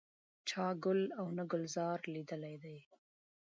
چا ګل او نه ګلزار لیدلی دی.